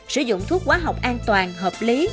sử dụng thuốc hóa học an toàn hợp lý